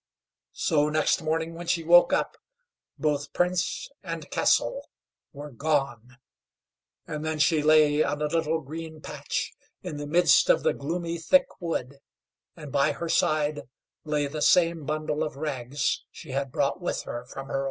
So next morning, when she woke up, both Prince and castle were gone, and then she lay on a little green patch, in the midst of the gloomy thick wood, and by her side lay the same bundle of rags she had brought with her from her old home.